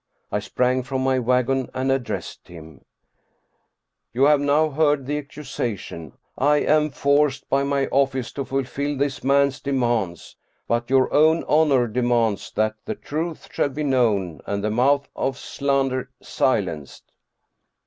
I sprang from my wagon and addressed him :" You have now heard the ac cusation. I am forced by my office to fulfill this man's de mands. But your own honor demands that the truth shall be known and the mouth of slander silenced."